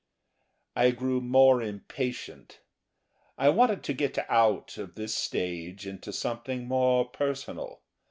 I grew more impatient. I wanted to get out of this stage into something more personal.